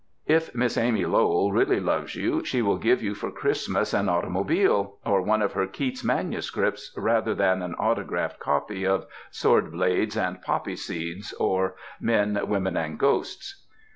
If Miss Amy Lowell really loves you she will give you for Christmas an automobile or one of her Keats manuscripts, rather than an autographed copy of "Sword Blades and Poppy Seeds," or "Men, Women, and Ghosts."